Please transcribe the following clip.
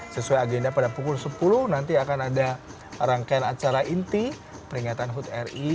sesuai agenda pada pukul sepuluh nanti akan ada rangkaian acara inti peringatan hud ri